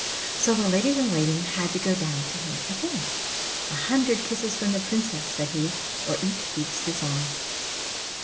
So the ladies in waiting had to go down to him again. 'A hundred kisses from the Princess,' said he, 'or each keeps his own.